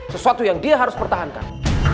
sesuatu yang dia harus pertahankan